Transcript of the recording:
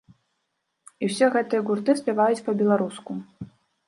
І ўсе гэтыя гурты спяваюць па-беларуску.